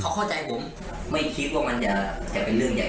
ไม่คิดว่ามันจะเป็นเรื่องใหญ่โตมานี้